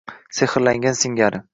Sehrlangan singari.